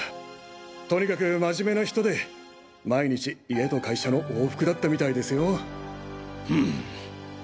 とにかく真面目な人で毎日家と会社の往復だったみたいですよ。